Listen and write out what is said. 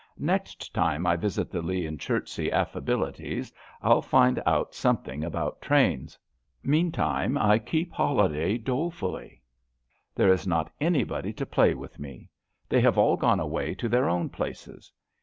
Next time I visit the Lea and Chertsey Affabilities I'll find out something about trains. Meantime I keep holi day dolefully. There is not anybody to play with me. They have all gone away to their own places.